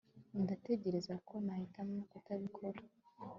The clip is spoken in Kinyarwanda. ndatekereza ko nahitamo kutabikora